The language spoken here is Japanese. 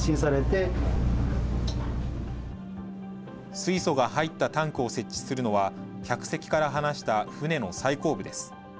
水素が入ったタンクを設置するのは、客席から離した船の最後部です。